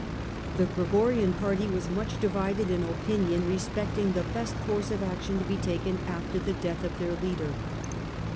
The Gregorian jwrty were much divided in opinion respecting the best course of action to be taken after the death of their leader.